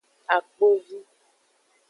Akpovi.